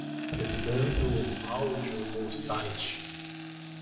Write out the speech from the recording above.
O médico a permitiu ir para casa por alguns dias.